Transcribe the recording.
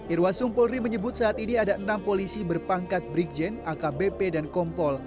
irwa sumpulri menyebut saat ini ada enam polisi berpangkat brigjen akbp dan kompol